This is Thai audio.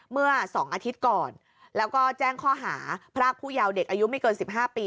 เมื่อ๒อาทิตย์ก่อนแล้วก็แจ้งข้อหาพรากผู้ยาวเด็กอายุไม่เกิน๑๕ปี